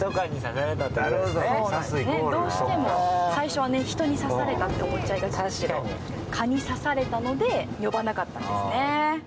どうしても最初は人に刺されたと思っちゃいがちですけれども、蚊に刺されたので呼ばなかったんですね。